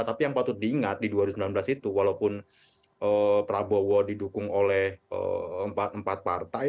tapi yang patut diingat di dua ribu sembilan belas itu walaupun prabowo didukung oleh empat partai